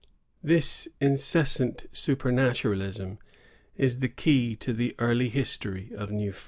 "^ This incessant supematuraUsm is the key to the early history of New France.